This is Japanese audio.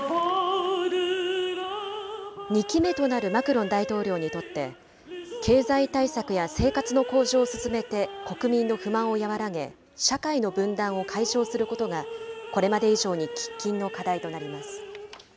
２期目となるマクロン大統領にとって、経済対策や生活の向上を進めて国民の不満を和らげ、社会の分断を解消することが、これまで以上に喫緊の課題となります。